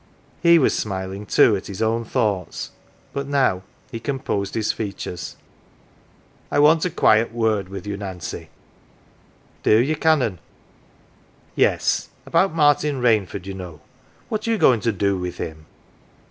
He was smiling, too, at his own thoughts. But now he composed his features. " I want a quiet word with you, Nancy." "Do ye, Canon? 11 " Yes. About Martin Rainford, you know. What are you going to do with him